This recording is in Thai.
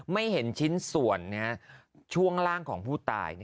ไม่เห็นชิ้นส่วนช่วงล่างของผู้ตาย